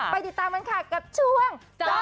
ติดตามกันค่ะกับช่วงจอ